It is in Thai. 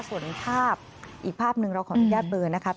ส่วนภาพอีกภาพหนึ่งเราของพุทธญาติเบอร์นะคะ